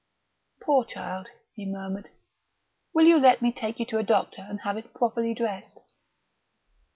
"Poor child!" he murmured. "Will you let me take you to a doctor and have it properly dressed?"